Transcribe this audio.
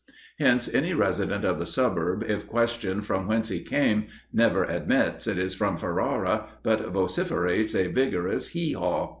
Hence, any resident of the suburb, if questioned from whence he came, never admits it is from Ferrara, but vociferates a vigorous hee haw.